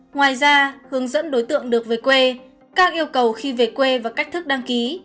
ngoài ra hướng dẫn đối tượng được về quê các yêu cầu khi về quê và cách thức đăng ký